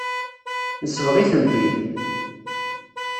Nesbeɣ-itent-id.